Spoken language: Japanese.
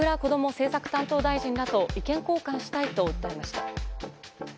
政策担当大臣らと意見交換したいと訴えました。